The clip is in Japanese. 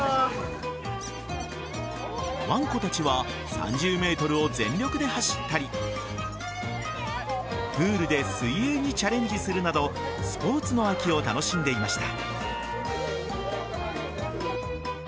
わんこたちは３０ｍを全力で走ったりプールで水泳にチャレンジするなどスポーツの秋を楽しんでいました。